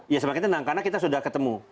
ya semakin tenang karena kita sudah ketemu